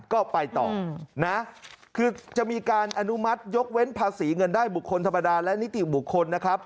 ก็ไปต่อนะคือจะมีการอนุมัติยกเว้นภาษีเงินได้บุคคลธรรมดาและนิติบุคคลนะครับ